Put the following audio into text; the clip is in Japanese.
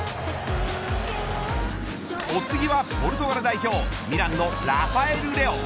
お次はポルトガル代表、ミランのラファエル・レオン。